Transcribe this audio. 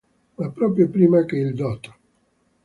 Ma proprio prima che il dott.